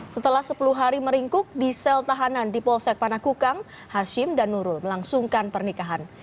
setelah sepuluh hari meringkuk di sel tahanan di polsek panakukang hashim dan nurul melangsungkan pernikahan